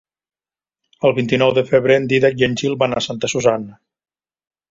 El vint-i-nou de febrer en Dídac i en Gil van a Santa Susanna.